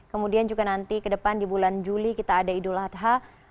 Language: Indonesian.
kemudian juga nanti ke depan di bulan juli kita ada idul adha